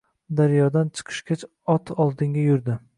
Daryodan chiqishgach ot oldinga yurdi